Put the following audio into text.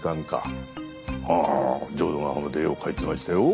ああ浄土ヶ浜で絵を描いてましたよ。